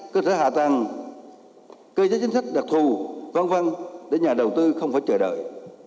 cơ sở hạ tàng cơ chế chính sách đặc thù văn văn để nhà đầu tư không phải chờ đợi